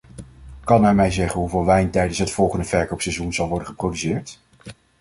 Kan hij mij zeggen hoeveel wijn tijdens het volgende verkoopseizoen zal worden geproduceerd?